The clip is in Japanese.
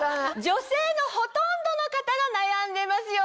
女性のほとんどの方が悩んでますよね。